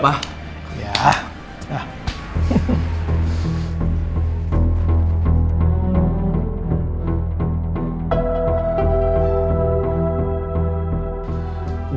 gua gak sabar liat muka si rifqi besok